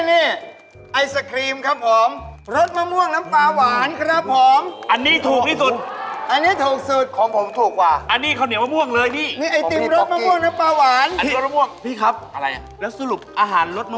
นี่ไอติมรสมะม่วงนะปลาหวานอันนี้รสมะม่วงพี่ครับแล้วสรุปอาหารรสมะม่วง